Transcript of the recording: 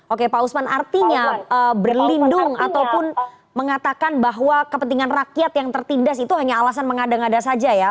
oke pak usman artinya berlindung ataupun mengatakan bahwa kepentingan rakyat yang tertindas itu hanya alasan mengada ngada saja ya